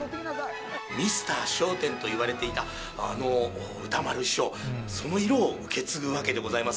ミスター笑点といわれていた、あの歌丸師匠、その色を受け継ぐわけでございます。